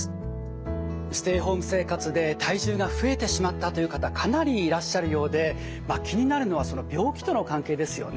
ステイホーム生活で体重が増えてしまったという方かなりいらっしゃるようで気になるのは病気との関係ですよね。